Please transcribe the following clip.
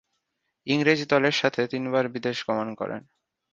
ইংরেজ দলের সাথে তিনবার বিদেশ গমন করেন।